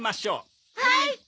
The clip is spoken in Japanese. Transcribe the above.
はい！